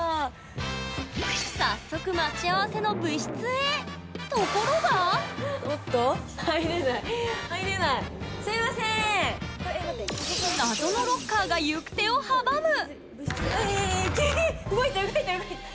早速待ち合わせの部室へ謎のロッカーが行く手を阻むえ